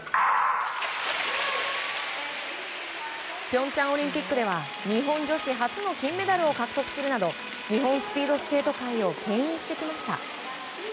平昌オリンピックでは日本女子初の金メダルを獲得するなど日本スピードスケート界を牽引してきました。